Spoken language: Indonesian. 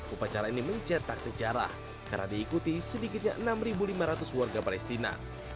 upacara ini mencetak sejarah karena diikuti sedikitnya enam lima ratus warga palestina